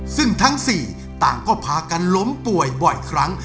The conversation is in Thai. ซึ่งทั้ง๔ต่างก็พากันล้มป่วยบ่อยครั้ง